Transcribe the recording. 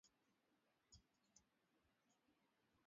Kwa kukipendelea chama tawala.